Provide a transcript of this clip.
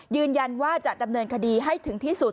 ยืนยันว่าจะดำเนินคดีให้ถึงที่สุด